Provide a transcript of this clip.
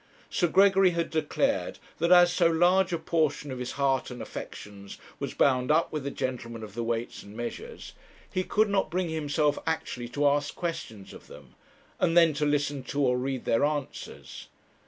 Sir Gregory had declared that as so large a portion of his heart and affections was bound up with the gentlemen of the Weights and Measures, he could not bring himself actually to ask questions of them, and then to listen to or read their answers.